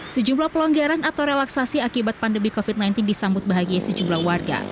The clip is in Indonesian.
sejumlah pelonggaran atau relaksasi akibat pandemi covid sembilan belas disambut bahagia sejumlah warga